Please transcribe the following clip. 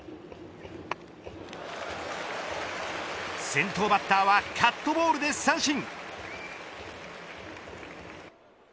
先頭バッターはカットボールで三振。